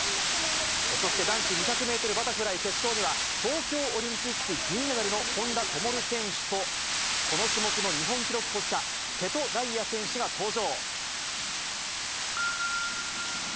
そして男子２００メートルバタフライ決勝には、東京オリンピック銀メダルの本多灯選手と、この種目の日本記録保持者、瀬戸大也選手が登場。